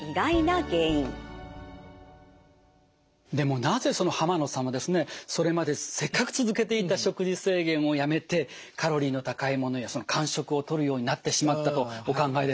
でもなぜ濱野さんはですねそれまでせっかく続けていた食事制限をやめてカロリーの高いものや間食をとるようになってしまったとお考えですか？